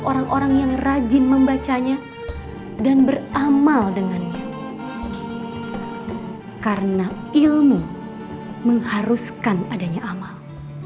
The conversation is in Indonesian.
orang orang yang rajin membacanya dan beramal dengannya karena ilmu mengharuskan adanya amal